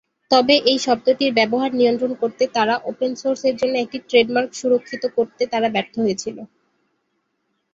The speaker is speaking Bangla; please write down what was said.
তবে এই শব্দটির ব্যবহার নিয়ন্ত্রণ করতে তারা 'ওপেন সোর্স' এর জন্য একটি ট্রেডমার্ক সুরক্ষিত করতে তারা ব্যর্থ হয়েছিল।